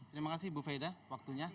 terima kasih bu faida waktunya